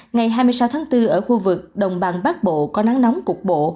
ngày hai mươi sáu tháng bốn ở khu vực đồng bằng bắc bộ có nắng nóng cục bộ